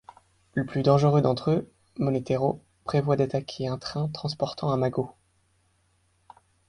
Le plus dangereux d'entre eux, Monetero, prévoit d'attaquer un train transportant un magot...